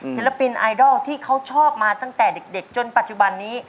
ศิลปินไอดอลที่เขาชอบมาตั้งแต่เด็กจนปัจจุบันนี้